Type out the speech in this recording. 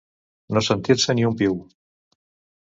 No sentir-se ni un piu.